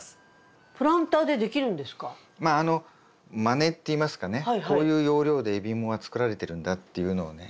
まあまねっていいますかねこういう要領で海老芋が作られてるんだっていうのをね